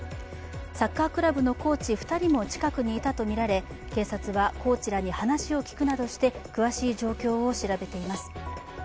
サッカークラブのコーチ２人も近くにいたとみられ警察はコーチらに話を聞くなどして詳しい状況を調べています。